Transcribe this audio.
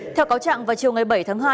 theo cáo trạng vào chiều ngày bảy tháng hai